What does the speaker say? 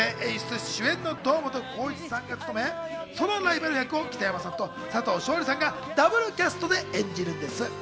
作・構成・演出・主演の堂本光一さんが務め、そのライバル役を北山さんと佐藤勝利さんがダブルキャストで演じるんです。